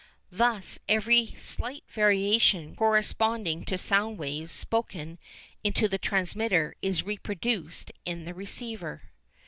Thus every slight variation corresponding to sound waves spoken into the transmitter is reproduced in the receiver.